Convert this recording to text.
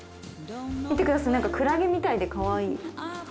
見てくださいなんかクラゲみたいでかわいい。